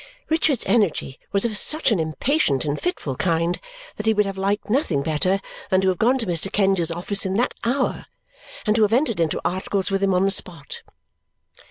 Richard's energy was of such an impatient and fitful kind that he would have liked nothing better than to have gone to Mr. Kenge's office in that hour and to have entered into articles with him on the spot.